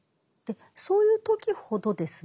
そういう時ほどですね